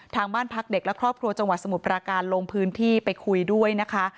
ทางบ้านพักเด็กและครอบครัวจังหวัดสมุทรปราการลงพื้นที่ไปคุยด้วยนะคะ